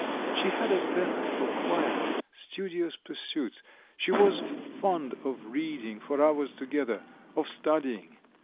She had a bent for quiet, studious pursuits; she was fond of reading for hours together, of studying.